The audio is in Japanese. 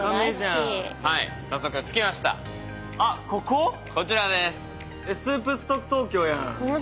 ここ⁉こちらです。